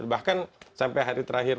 bahkan sampai hari terakhir